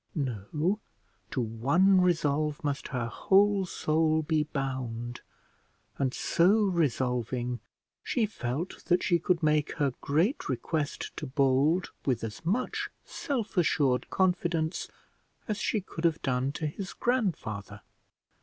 No; to one resolve must her whole soul be bound; and so resolving, she felt that she could make her great request to Bold with as much self assured confidence as she could have done to his grandfather.